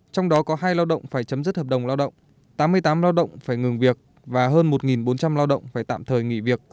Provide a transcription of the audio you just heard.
trong đó có hai lao động phải chấm dứt hợp đồng lao động tám mươi tám lao động phải ngừng việc và hơn một bốn trăm linh lao động phải tạm thời nghỉ việc